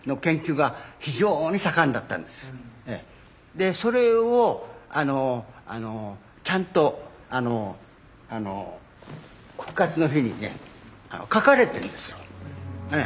でそれをちゃんと「復活の日」にね書かれてるんですよ。